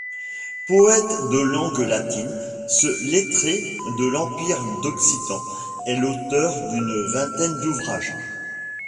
Poète de langue latine, ce lettré de l'empire d'Occident est l'auteur d'une vingtaine d'ouvrages.